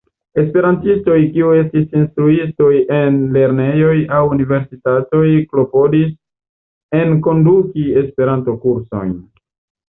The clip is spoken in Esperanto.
Esperantistoj kiu estis instruistoj en lernejoj aŭ universitatoj klopodis enkonduki Esperanto-kursojn.